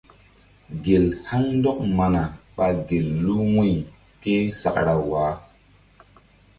Gel haŋ ndɔk mana ɓa gel lu wu̧y ke sakra waah.